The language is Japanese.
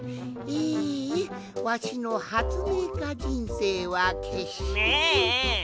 えわしのはつめいかじんせいはけっして。